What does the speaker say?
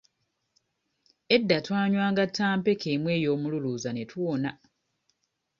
Edda twanywanga ttampeko emu ey'omululuuza ne tuwona.